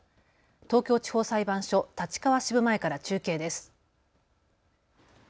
東京地方裁判所立川支部前から中継です。